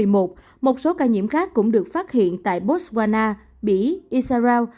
một số ca nhiễm khác cũng được phát hiện tại botswana bỉ israel